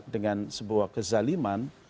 dengan sebuah kezaliman